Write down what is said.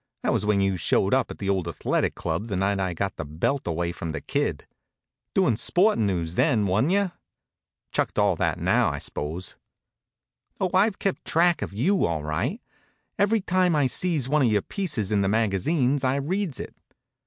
That was when you showed up at the old Athletic club the night I got the belt away from the Kid. Doin' sportin' news then, wa'n't you? Chucked all that now, I s'pose? Oh, I've kept track of you, all right. Every time I sees one of your pieces in the magazines I reads it.